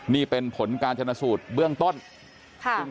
นี่เป็นผลการชนะสูตรเบื้องต้น